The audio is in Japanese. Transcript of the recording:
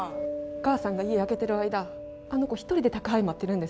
お母さんが家空けてる間あの子一人で宅配待ってるんです。